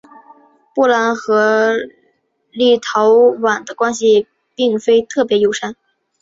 波兰和立陶宛的关系并非特别友善。